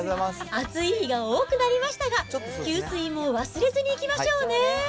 暑い日が多くなりましたが、給水も忘れずにいきましょうね。